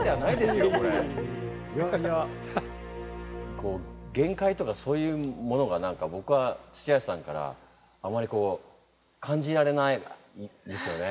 こう限界とかそういうものが何か僕は土橋さんからあまりこう感じられないんですよね。